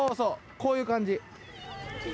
こういう感じ。